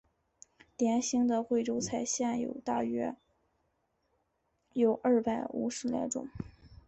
典型的贵州菜现有大约有二百五十来种。